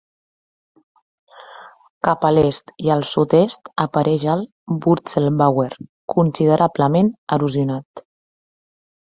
Cap a l'est i el sud-est apareix el Wurzelbauer, considerablement erosionat.